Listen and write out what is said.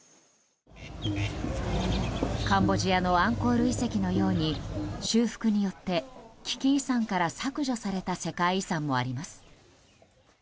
カンボジアのアンコール遺跡のように修復によって、危機遺産から削除された世界遺産もあります。